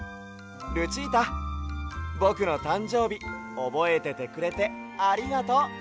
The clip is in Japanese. ルチータぼくのたんじょうびおぼえててくれてありがとう！